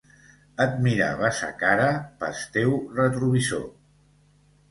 Et mirava sa cara pes teu retrovisor.